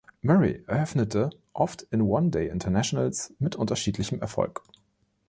Murray eröffnete oft in One-Day Internationals mit unterschiedlichem Erfolg.